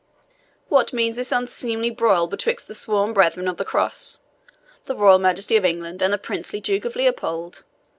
"What means this unseemly broil betwixt the sworn brethren of the Cross the royal Majesty of England and the princely Duke Leopold?